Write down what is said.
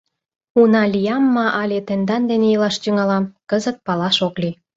— Уна лиям ма але тендан дене илаш тӱҥалам — кызыт палаш ок лий.